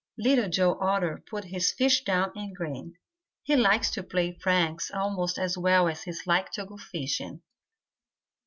Little Joe Otter put his fish down and grinned. He likes to play pranks almost as well as he likes to go fishing.